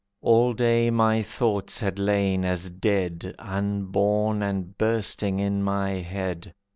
All day my thoughts had lain as dead, Unborn and bursting in my head.